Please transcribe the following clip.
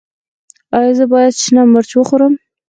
ایا زه باید شنه مرچ وخورم؟